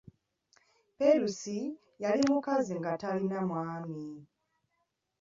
Perusi yali mukazi nga talina mwami.